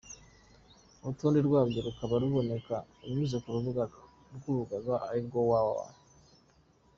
Urutonde rwabyo rukaba ruboneka unyuze ku rubuga rw’urugaga ari rwo www.